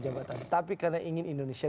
jabatan tapi karena ingin indonesia